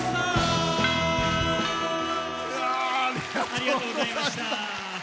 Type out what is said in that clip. ありがとうございます。